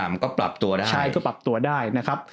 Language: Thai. มันก็ปรับตัวได้